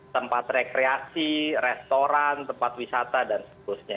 tempat rekreasi restoran tempat wisata dan seterusnya